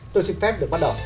tôi xin phép được bắt đầu